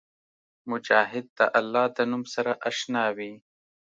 مجاهد د الله د نوم سره اشنا وي.